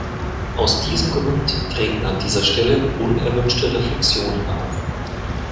Aus diesem Grund treten an dieser Stelle unerwünschte Reflexionen auf.